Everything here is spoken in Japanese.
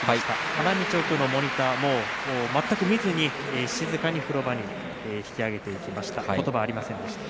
花道奥のモニターも全く見ずに静かに風呂場に引き揚げていきました。